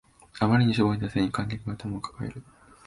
あまりにしょぼい打線に観客が頭を抱える